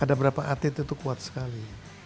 ada berapa atlet itu kuat sekali